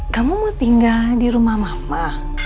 kamu mau tinggal di rumah mama